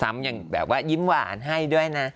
อย่างแบบว่ายิ้มหวานให้ด้วยนะ